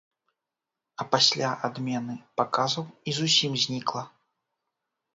А пасля адмены паказаў і зусім знікла.